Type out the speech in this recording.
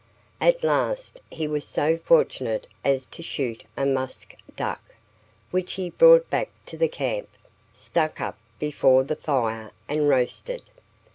At last he was so fortunate as to shoot a musk duck, which he brought back to the camp, stuck up before the fire, and roasted.